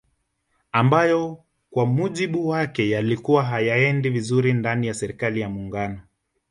Ambayo kwa mujibu wake yalikuwa hayaendi vizuri ndani ya serikali ya Muungano